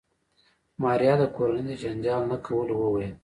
ماريا د کورنۍ د جنجال نه کولو وويل.